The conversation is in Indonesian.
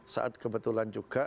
saat kebetulan juga